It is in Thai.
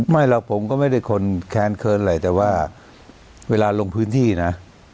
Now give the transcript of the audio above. ไม่หรอกผมก็ไม่ได้คนแค้นเขินอะไรแต่ว่าเวลาลงพื้นที่นะ